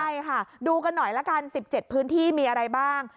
ใช่ค่ะดูกันหน่อยละกัน๑๗พื้นที่มีอะไรบ้าง